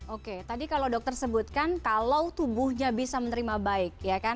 oke tadi kalau dokter sebutkan kalau tubuhnya bisa menerima baik